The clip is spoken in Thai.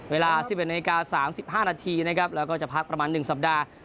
เวลา๑๑นาฬิกา๓๕นาทีนะครับแล้วก็จะพักประมาณ๑สัปดาห์